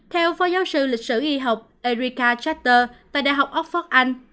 theo phó giáo sư lịch sử y học erika charter tại đại học oxford anh